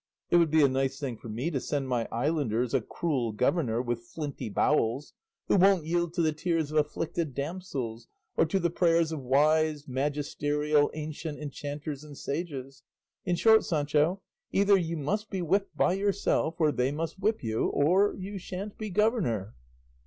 It would be a nice thing for me to send my islanders a cruel governor with flinty bowels, who won't yield to the tears of afflicted damsels or to the prayers of wise, magisterial, ancient enchanters and sages. In short, Sancho, either you must be whipped by yourself, or they must whip you, or you shan't be governor."